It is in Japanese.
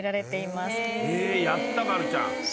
やった丸ちゃん。